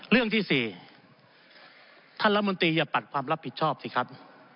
เรื่องที่๔ท่านรัฐมนตรีอย่าปัดความรับผิดชอบสิครับ